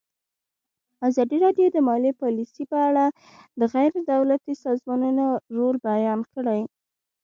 ازادي راډیو د مالي پالیسي په اړه د غیر دولتي سازمانونو رول بیان کړی.